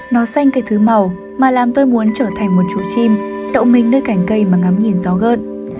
nó xanh cái thứ màu mà làm tôi muốn trở thành một trụ chim đậu mình nơi cảnh cây mà ngắm nhìn gió gợn